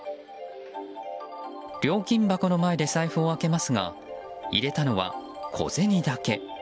料金箱の前で財布を開けますが入れたのは小銭だけ。